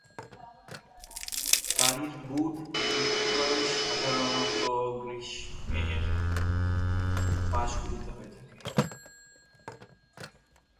গাড়ির বুট বিক্রয় সাধারণত গ্রীষ্মের মাসগুলিতে হয়ে থাকে।